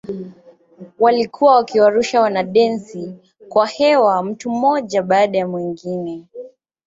Walikuwa wakiwarusha wanadensi kwa hewa mtu mmoja baada ya mwingine.